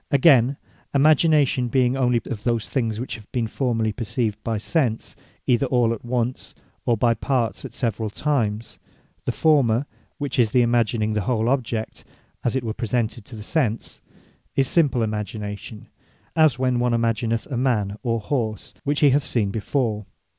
Againe, Imagination being only of those things which have been formerly perceived by Sense, either all at once, or by parts at severall times; The former, (which is the imagining the whole object, as it was presented to the sense) is Simple Imagination; as when one imagineth a man, or horse, which he hath seen before.